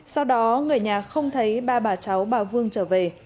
sau đó người nhà không thấy ba bà cháu bà vương trở về